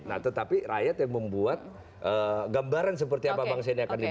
nah tetapi rakyat yang membuat gambaran seperti apa bang senyak tadi